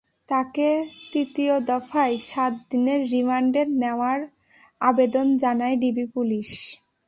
তাঁকে তৃতীয় দফায় সাত দিনের রিমান্ডে নেওয়ার আবেদন জানায় ডিবি পুলিশ।